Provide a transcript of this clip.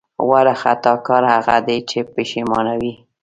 غوره خطاکار هغه دی چې پښېمانه وي.